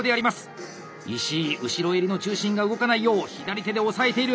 石井後ろ襟の中心が動かないよう左手で押さえている！